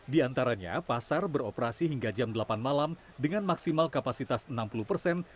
di antaranya pasar beroperasi hingga jam delapan malam dengan maksimal kapasitas enam puluh persen